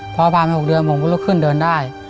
เพราะว่าพามาครึ่ง๖เดือนผมก็จะขึ้นเดินได้